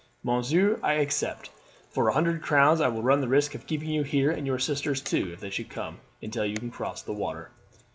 Monsieur, I accept; for a hundred crowns I will run the risk of keeping you here, and your sisters too if they should come, until you can cross the water."